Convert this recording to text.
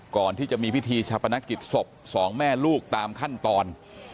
ก่อนที่จะมีพิธีชาปนกิจศพสองแม่ลูกตามขั้นตอน